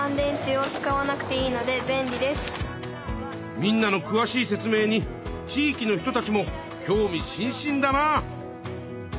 みんなのくわしい説明に地いきの人たちも興味しんしんだなあ！